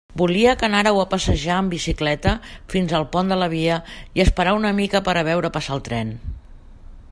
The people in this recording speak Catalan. Volia que anàreu a passejar en bicicleta fins al pont de la via i esperar una mica per a veure passar el tren.